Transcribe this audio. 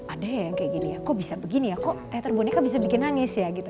ada ya yang kayak gini ya kok bisa begini ya kok teater boneka bisa bikin nangis ya gitu